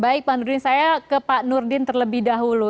baik pak nurdin saya ke pak nurdin terlebih dahulu